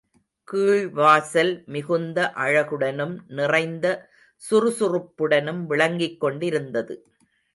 கீழ்வாசல், மிகுந்த அழகுடனும் நிறைந்த சுறுசுறுப்புடனும் விளங்கிக்கொண்டிருந்தது.